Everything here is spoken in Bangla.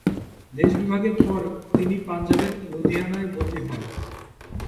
দেশবিভাগের পর তিনি পাঞ্জাবের লুধিয়ানায় বদলী হন।